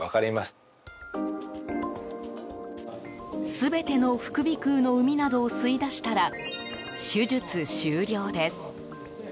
全ての副鼻腔のうみなどを吸い出したら手術終了です。